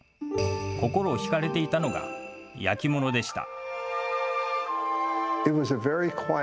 心を引かれていたのが、焼き物でした。